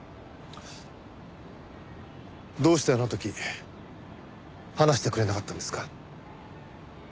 どうしてあの時話してくれなかったんですか？